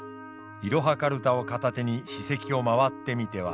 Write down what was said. いろはかるたを片手に史跡を回ってみては。